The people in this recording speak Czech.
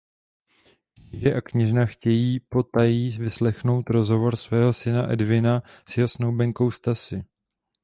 Kníže a kněžna chtějí potají vyslechnout rozhovor svého syna Edwina s jeho snoubenkou Stasi.